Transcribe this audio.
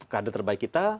kader terbaik kita